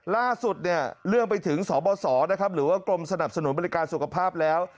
ล่าสุดเนี่ยเรื่องไปถึงสบสนะครับหรือว่ากรมสนับสนุนบริการสุขภาพแล้ว